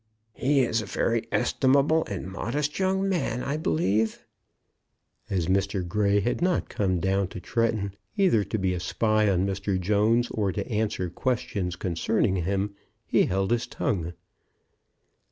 He is a very estimable and modest young man, I believe?" As Mr. Grey had not come down to Tretton either to be a spy on Mr. Jones or to answer questions concerning him, he held his tongue.